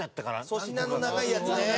粗品の長いやつね。